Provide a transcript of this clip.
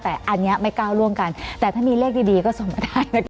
แต่อันนี้ไม่ก้าวร่วมกันแต่ถ้ามีเลขดีก็ส่งมาได้